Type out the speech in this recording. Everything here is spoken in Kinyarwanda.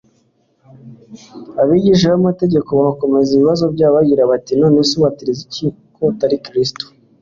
Abigishamategeko bakomeza ibibazo byabo bagira bati: «None se ubatiriza iki ko utari Kristo,